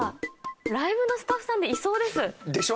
ライブのスタッフさんでいそうです。でしょ？